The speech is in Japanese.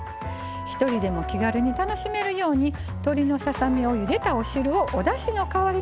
ひとりでも気軽に楽しめるように鶏のささ身をゆでたお汁をおだしの代わりに活用します。